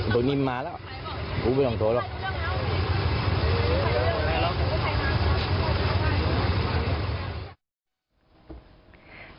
โดนิ่มมาแล้วไม่ต้องโดน